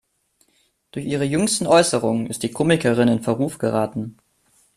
Durch ihre jüngsten Äußerungen ist die Komikerin in Verruf geraten.